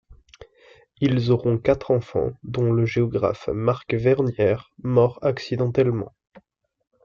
Ils auront quatre enfants, dont le géographe Marc Vernière, mort accidentellement.